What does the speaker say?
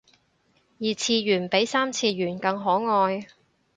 二次元比三次元更可愛